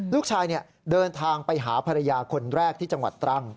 ลูกชายเดินทางไปหาภรรยาคนแรกที่จังหวัดตรัง